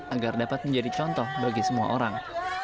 agar dapat menjadi contoh bagi semua orang